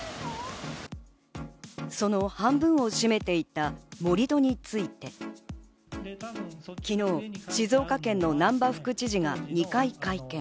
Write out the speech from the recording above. その半分を占めていた盛り土について昨日、静岡県の難波副知事が２回会見。